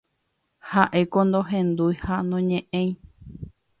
Haʼéko nohendúi ha noñeʼẽi.